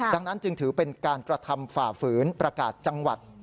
ดังนั้นจึงถือเป็นการกระทำฝ่าฝืนประกาศจังหวัด